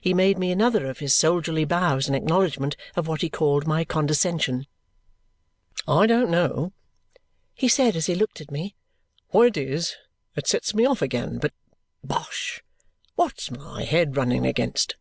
He made me another of his soldierly bows in acknowledgment of what he called my condescension. "I don't know," he said as he looked at me, "what it is that sets me off again but bosh! What's my head running against!"